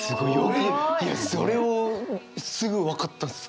いやそれをすぐ分かった。